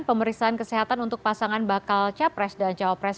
pemeriksaan kesehatan untuk pasangan bakal capres dan cawapres